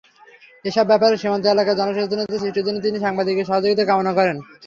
এসব ব্যাপারে সীমান্ত এলাকায় জনসচেতনতা সৃষ্টির জন্য তিনি সাংবাদিকদের সহযোগিতা কামনা করেন।